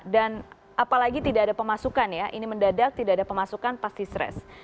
dan apalagi tidak ada pemasukan ya ini mendadak tidak ada pemasukan pasti stres